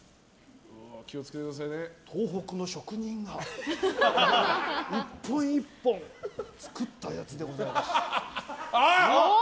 東北の職人が１本１本作ったやつでございます。